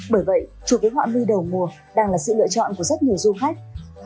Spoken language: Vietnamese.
bởi vậy chụp với họa mi đầu mùa đang là sự lựa chọn của rất nhiều du khách